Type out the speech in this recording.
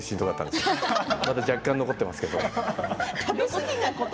また若干、残っていますけど。